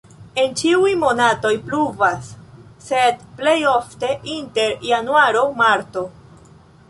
En ĉiuj monatoj pluvas, sed plej ofte inter januaro-marto.